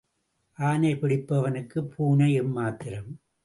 ஆனை பிடிப்பவனுக்குப் பூனை எம்மாத்திரம்?